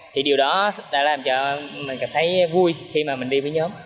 thì điều đó đã làm cho mình cảm thấy vui khi mà mình đi với nhóm